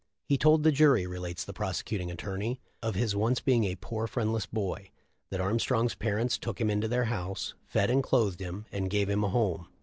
"He told the jury," relates the prosecuting attorney, "of his once being a poor, friendless boy; that Armstrong's parents took him into their house, fed and clothed him, and gave him a home.